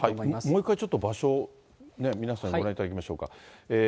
もう一回、ちょっと場所ね、皆さんにご覧いただきましょうか。